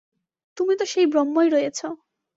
তুমি তো সেই ব্রহ্মই রয়েছ।